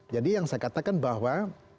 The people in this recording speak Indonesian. yang saya katakan bahwa